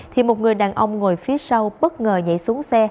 thì một người đàn ông ngồi phía sau bất ngờ nhảy xuống xe